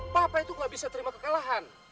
papa itu gak bisa terima kekalahan